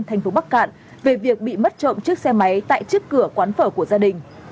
thành phố bắc cạn về việc bị mất trộm chiếc xe máy tại trước cửa quán phở của gia đình